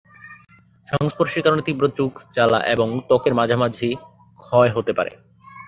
সংস্পর্শের কারণে তীব্র চোখ জ্বালা এবং ত্বকের মাঝারি ক্ষয় হতে পারে।